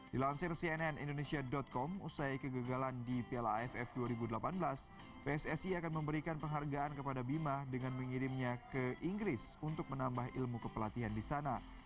dilansir cnn indonesia com usai kegagalan di piala aff dua ribu delapan belas pssi akan memberikan penghargaan kepada bima dengan mengirimnya ke inggris untuk menambah ilmu kepelatihan di sana